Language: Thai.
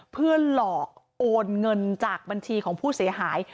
เพื่อหลอกโอนเงินจากบัญชีของผู้เสียหาย